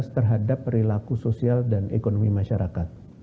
terhadap perilaku sosial dan ekonomi masyarakat